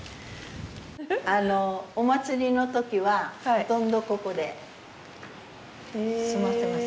お祭りの時はほとんどここで座ってます。